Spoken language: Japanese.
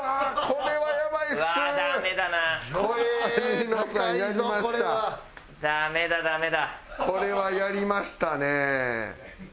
これはやりましたね。